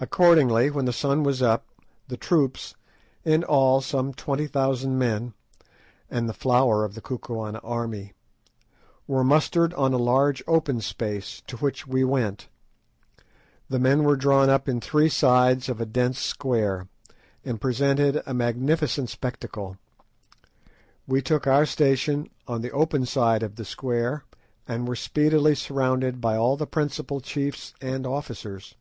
Accordingly, when the sun was up, the troops—in all some twenty thousand men, and the flower of the Kukuana army—were mustered on a large open space, to which we went. The men were drawn up in three sides of a dense square, and presented a magnificent spectacle. We took our station on the open side of the square, and were speedily surrounded by all the principal chiefs and officers.